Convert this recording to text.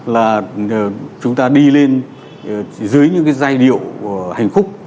là chúng ta đi lên dưới những cái giai điệu hành khúc